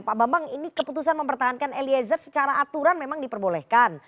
pak bambang ini keputusan mempertahankan eliezer secara aturan memang diperbolehkan